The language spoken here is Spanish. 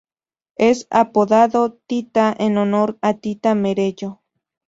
Es apodado "Tita" en honor a Tita Merello.